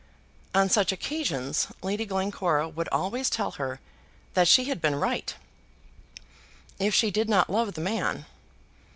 On such occasions Lady Glencora would always tell her that she had been right, if she did not love the man.